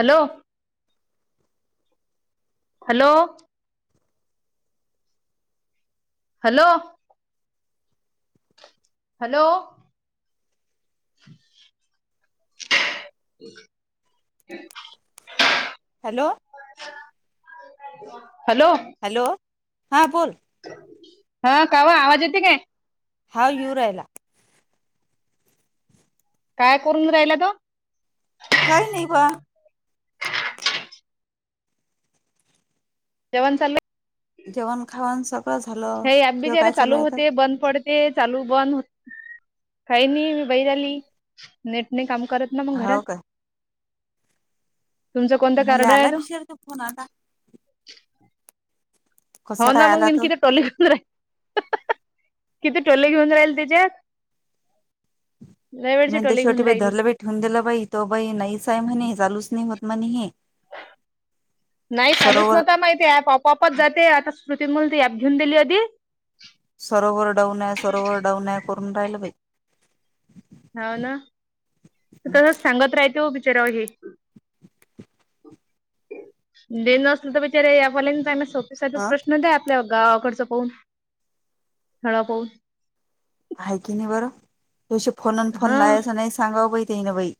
Hello hello hello hello [inaudible] hello hello hello हां बोल हा कावा आवाज येत काय हा येव राहिला काय करून राहिला त काय नाही बा जवण चालो जेवण खाऊन सब ह आप बी जे चाल होते बंद पड ते चालू बंद हो काही नाही बाैर आली नेटने काम करत ना मग हो घरात काय तुमचं कोणतं मुला कार्ड आहे आला तो विचारत फोन आता कसं हो ना काय मग आला मी तो किती टोले घेऊन राहील किती टोले घेऊन राहील त्याच्यात लय वेळची म्हण ते टोले शेवटी घेऊन बाई राहिली धरलं ब ठेऊून दिल बाई तो बाई नाहीच हाय म्हणे हे चालूच नाय होत म्हणे हे नाही चालूच सरोवर नव्हता माहिती ये ऍप आपआपाचं जाते आता स्मृती मुल ती ऍप घेऊन दिली अधी सरोवर डाऊन आये सरोवर डाऊन आये करून राहिलं बई हाव ना तसच सांगत रायत हो बिचारावं हे दे न असल तर बिचारे ऍप वाल्यांची चागलं सोपं सोपं हा प्रश्न द्या. त्या गावाकडचं पाहून स्थळ पाहून हाय की नाय बरं त्यादिवशी फोन न फोन हा लायाचं नाही सांगावं बाई ते ना गं बाई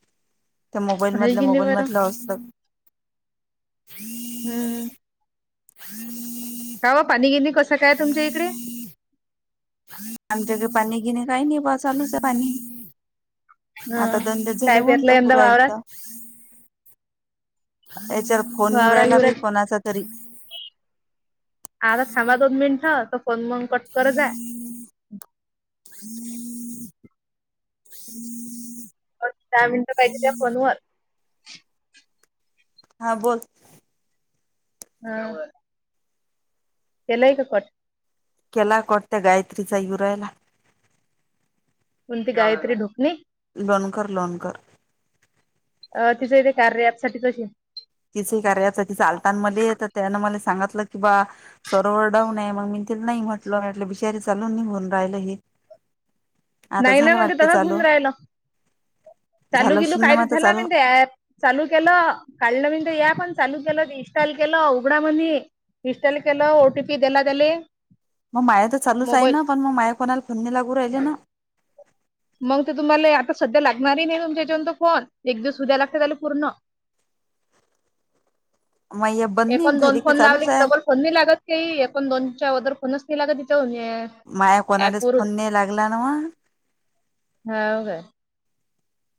त्या मोबाईल हाय मधल की नाही मोबाईल बरं मधल असतात. हम्म [unintelligible] काव पाणी गिणी कसं काय ये तुमच्या इकडे आमच्याकं पाणी गिनी काय नाय बा चालूये पाणी ह आता धंदे काय झाले होऊन पेरलं त यंदा पुर वावरात आयलता. याच्या वारा येऊ राहिला आता थांबा दोन मिनटं त पण मंग कट कर जाय. [unintelligible] दहा मिनिटं पाहिजे त्या फोनवर हा बोल हा हे लय गं पण केलाय कट त गायत्रीचा येऊ रायला. कोणती गायत्री ढोकणे. लोणकर लोणकर. अ तिचं बी कार्या ऍप साठीचं अशीनं तिचं ही कार्यासाठी आलताना मध्ये तर त्यान मला सांगितलं की बा सरोवर डाऊन आहे म्हणून मी तिला नाई म्हटलं बिषारी चालून नाय बोलू राहिलं हे आता नाई ना झालं म्हणते वाटते तसचं होऊन चालू रायल. चालू झालं बिलू शिन्न कायचं मग झाला चालू म्हणते ऍप चालू केलं काढलं वीन ते ऍप आणि चालू केलं इनस्टॉल केलं उघडा म्हणी इन्स्टोल केल ओ टी पी देला त्येले म माया तर चालूच आहे ना पण म माया कोणाला फोन णी लागू राहिले ना मंग ते तुम्हाले आता सध्या लागणारही नाई तुमच्या हयाच्यावरून तो फोन एक दिवस होऊ दयायला लागत त्याला पूर्ण मयब एकोण दोन फोन लावले की डबल फोन नाई लागत काइ एकोण दोनच्या अगोदर फोनच नाही लागत तिच्या म्हण्या माया कोणालाच फोन नय लागला नव्ह. हाव काय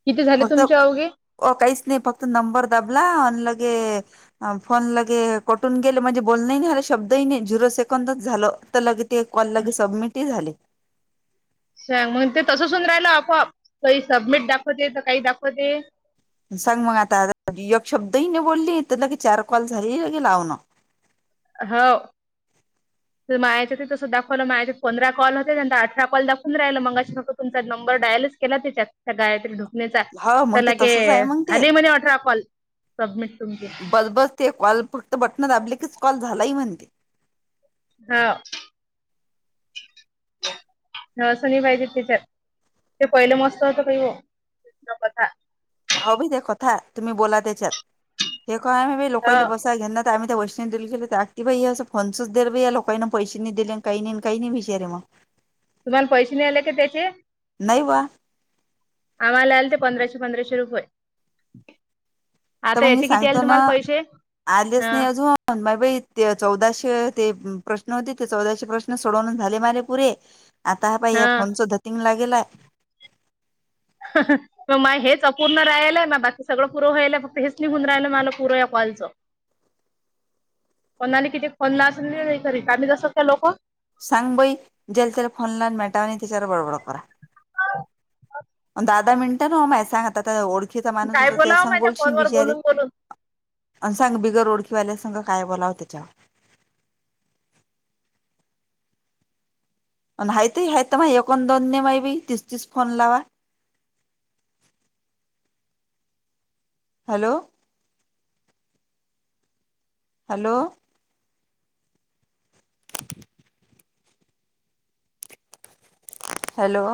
किती झाले तुमचे अवघे ओ काईस नाई फक्त नंबर दाबला अन लगे अनं फोन लगे कटून गेले म्हणजे बोलणही नाई झाला शब्दही नाही झिरो सेकंदच झालं. त लगे ते कॉल लगे सबमिट ही झाले. सांग मग ते तसंचं होऊन राहिलं आपआप काई सबमिट दाखवते त काई दाखवते. सांग मग आता एक शब्दही नही बोलली त लगे चार कॉल झाले लगे लावून. हव ते माझयं याच्यात ही तसचं दाखवलं माया हयाच्यात पंधरा कॉल होते त्यांंत अठरा कॉल दाखून राहिला मंगाशी तस तुमचा नंबर डायलचं केला त्याच्यात त्या गायत्री नं न्याचा हा त मग ते लगे तसंच आहे मग ते झाले म्हणे अठरा कॉल सबमिट तुमचे बसबस ते कॉल फक्त बटनं दाबले कीच कॉल झालाही म्हणते. हा हे हस नई पाहिजे त्याच्यात ते पहिले मस्त होत कही हो त्या कथा हाव बाई तें कथा, तुम्ही बोला त्याच्यात, हे काय हाय आम लोकाले ह बस काय यांना आम्ही त्या वष्णव देवी ले गेले तो बाई असं फोनच या लोकांना पैसे नाही दिले, काही नाही काही नाही विचारे मग [unintelligible] तुम्हाला पैसे नहीं आले का त्याचे? नइवा [unintelligible] आम्हाला आलते पंधराशे-पंधराशे रुपये. तर आता मग मी याचे किती आले सांगतो ना, तुम्हाला पैसे आलेच हा नाही अजून. मा बाई ते, चौदाशे ते प्रश्न होते, ते चौदाशे प्रश्न सोडवून झाले माजे पुरे. आता हा पाय, या फोनचं धतींगला गेलाय. [unintelligible] हं हं. मग माय हेच अपूर्ण राहिल मग बाकी सगळं पूंर व्हायल फक्त हेच नई होऊन राहिलं, मला पुरं या कॉलचं. कोणाले किती फोण लाव्हायचं असल, जसत का लोक. सांग बई ज्याला त्याला फोन लान, मेटावा त्याच्यावर बळबड करा. [unintelligible] दहा-दहा मिनटं ना मा सांगतता, ओळखीचा माणूस काय असत ते बोलावं संग माझ्या बोलशील फोनवर बिचारे. बोलून बोलून. अं सांग बिगरओळखीवाल्या संग काय बोलावं त्याच्या? आणि हायत आहे मग, एकोण दोन ने माय बाई तिस- तीस फोन लावा. हॅलो? हॅलो? हॅलो?